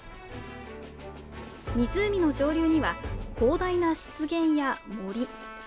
湖の上流には広大な湿原や森。